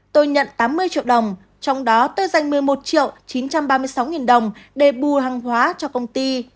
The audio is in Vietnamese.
tôi nhận tám mươi triệu đồng trong đó tôi dành một mươi một triệu chín trăm ba mươi sáu nghìn đồng để bù hàng hóa cho công ty